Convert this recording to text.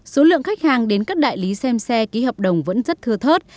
số lượng khách hàng đến các đại lý xem xe ký hợp đồng vẫn rất thưa thớt